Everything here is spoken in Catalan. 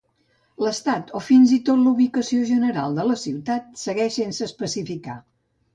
L'estat o fins i tot la ubicació general de la ciutat segueix sense especificar.